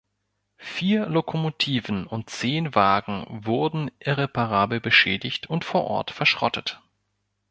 Vier Lokomotiven und zehn Wagen wurden irreparabel beschädigt und vor Ort verschrottet.